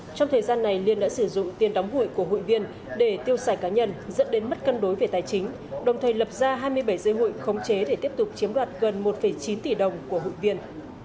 trong thời gian này liên đã sử dụng tiền đóng hụi của hụi viên để tiêu xài cá nhân dẫn đến mất cân đối về tài chính đồng thời lập ra hai mươi bảy dây hụi khống chế để tiếp tục chiếm đoạt gần một chín tỷ đồng của hụi viên